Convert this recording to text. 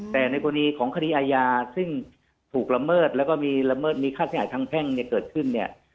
แต่ในกรณีของคดีอาญาซึ่งถูกละเมิดแล้วก็มีละเมิดมีค่าเสียหายทางแพ่งเนี่ยเกิดขึ้นเนี่ย